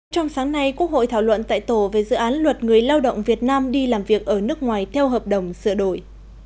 trong sáng nay quốc hội thảo luận tại tổ về dự án luật người lao động việt nam đi làm việc ở nước ngoài theo hợp đồng sửa đổi